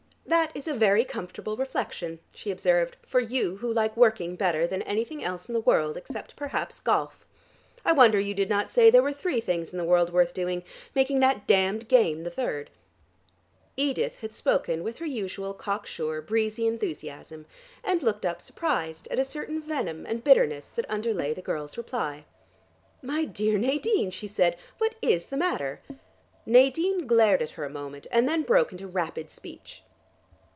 "That is a very comfortable reflection," she observed, "for you who like working better than anything else in the world except perhaps golf. I wonder you did not say there were three things in the world worth doing, making that damned game the third." Edith had spoken with her usual cock sure breezy enthusiasm, and looked up surprised at a certain venom and bitterness that underlay the girl's reply. "My dear Nadine!" she said. "What is the matter?" Nadine glared at her a moment, and then broke into rapid speech.